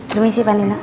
duh isi panin lu